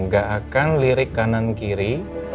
gak akan lirik kanan kiri